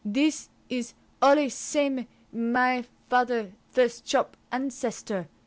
This is alle samee my father first chop ancestor.